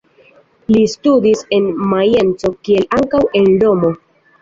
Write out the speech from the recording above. Li studis en Majenco kiel ankaŭ en Romo.